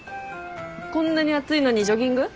こんなに暑いのにジョギング？